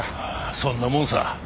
そんなもんさ。